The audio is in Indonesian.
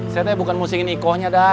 saya deh bukan musingin ikohnya